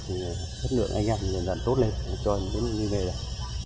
thì thất lượng anh em dần dần tốt lên trôi đến như vậy rồi